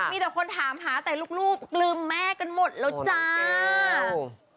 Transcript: มีแต่คนถามหาแต่ลูกกลืมแม่กันหมดแล้วจ้า